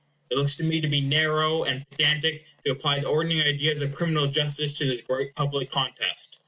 It looks to me to be narrow and pedantic to apply the ordinary ideas of criminal justice to this great public contest.